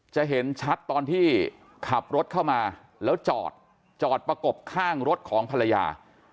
จะเห็นชัดตอนที่ขับรถเข้ามาแล้วจอดจอดประกบข้างรถของภรรยา